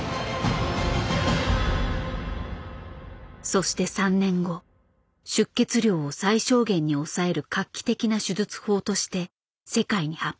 そして３年後出血量を最小限に抑える画期的な手術法として世界に発表した。